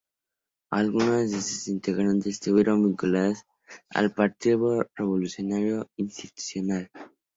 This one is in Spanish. Algunas de sus integrantes estuvieron vinculadas al Partido Revolucionario Institucional.